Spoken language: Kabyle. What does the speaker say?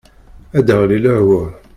Ad aɣli lehwa.